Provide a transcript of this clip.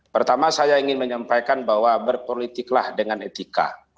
pertama saya ingin menyampaikan bahwa berpolitiklah dengan etika